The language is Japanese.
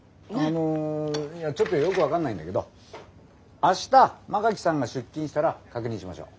あのいやちょっとよく分かんないんだけど明日馬垣さんが出勤したら確認しましょう。